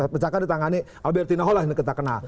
pecahkan di tangani albertino lah yang kita kenal